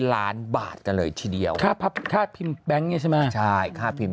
ล้านบาทกันเลยทีเดียวค่าพิมพ์แบงค์เนี่ยใช่ไหมใช่ค่าพิมพ์